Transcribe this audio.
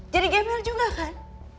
jadi gemel juga kan